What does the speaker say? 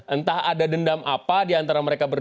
entah ada dendam apa diantara mereka berdua